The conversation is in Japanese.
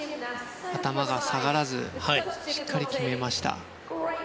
頭が下がらずしっかり決めました。